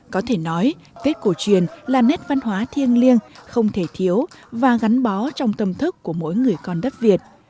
có thể nói tết cổ truyền là nét văn hóa thiêng liêng không thể thiếu và gắn bó trong tâm thức của mỗi người con đất việt